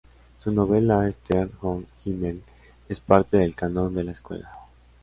Su novela "Stern ohne Himmel" es parte del canon de la escuela.